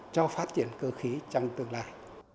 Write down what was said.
cho phát triển cơ khí trong tương lai